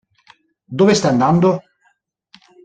Dove stai andando?